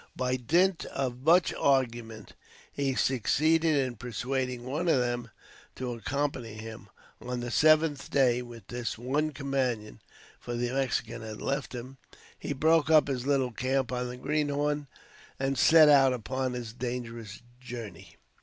By dint of much argument, he succeeded in persuading one of them to accompany him. On the seventh day, with this one companion for the Mexican had left him he broke up his little camp on the Greenhorn, and set out upon his dangerous journey.